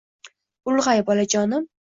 Ulg’ay, bolajonim